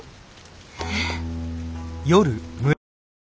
えっ？